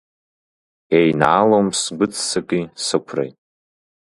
Еинаалом сгәы ццаки сықәреи.